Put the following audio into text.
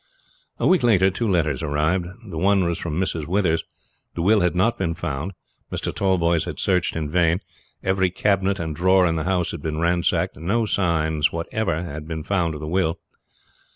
A week later two letters arrived. The one was from Mrs. Withers. The will had not been found. Mr. Tallboys had searched in vain. Every cabinet and drawer in the house had been ransacked. No signs whatever had been found of the will.